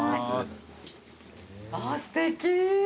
あぁすてき！